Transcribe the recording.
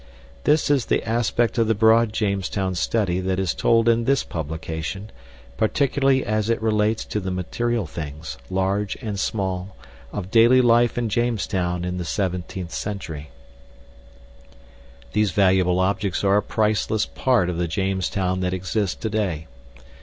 This is the aspect of the broad Jamestown study that is told in this publication, particularly as its relates to the material things, large and small, of daily life in Jamestown in the 17th century. These valuable objects are a priceless part of the Jamestown that exists today.